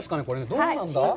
どうなんだ。